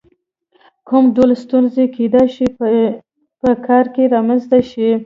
کوم ډول ستونزې کېدای شي په کار کې رامنځته شي؟